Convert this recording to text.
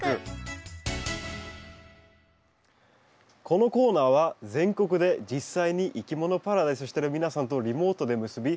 このコーナーは全国で実際にいきものパラダイスしてる皆さんとリモートで結び